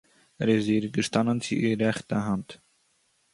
ער איר איז געשטאַנען צו איר רעכטער האַנט